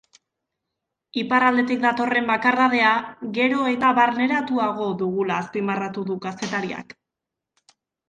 Iparraldetik datorren bakardadea gero eta barneratuago dugula azpimarratu du kazetariak.